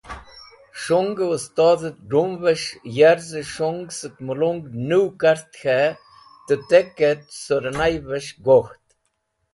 S̃hungẽ westodht dumvẽs̃h yarzẽ shung sẽk melung nũw kart k̃hẽ tẽtekẽt sẽrnyaves̃h gokht.